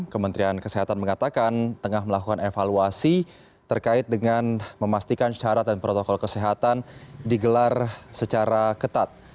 kementerian kesehatan mengatakan tengah melakukan evaluasi terkait dengan memastikan syarat dan protokol kesehatan digelar secara ketat